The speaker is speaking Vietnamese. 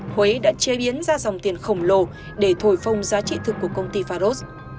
huế đã chế biến ra dòng tiền khổng lồ để thổi phông giá trị thực của công ty faros